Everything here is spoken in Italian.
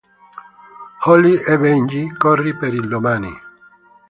Holly e Benji: Corri per il domani!